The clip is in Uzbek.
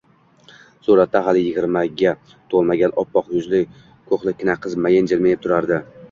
Suratda hali yigirmaga to`lmagan, oppoq yuzli ko`hlikkina qiz mayin jilmayib turardi